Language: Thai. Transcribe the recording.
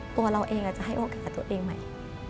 ตัวเราเองจะให้โอกาสตัวเองใหม่